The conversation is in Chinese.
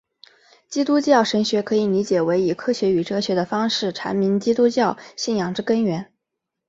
基督教神学可以理解为以科学与哲学的方式阐明基督教信仰之根源。